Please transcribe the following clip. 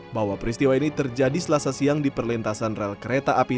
bahwa peristiwa ini terjadi selasa siang di perlintasan rel kereta api